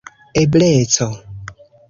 ebleco